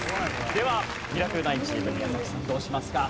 ではミラクル９チーム宮崎さんどうしますか？